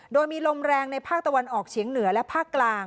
โดยมีลมแรงในภาคตะวันออกเฉียงเหนือและภาคกลาง